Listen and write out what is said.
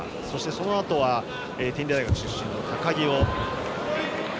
そのあとは、天理大学出身の高木。